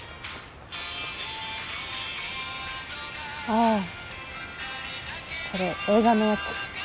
ああこれ映画のやつ。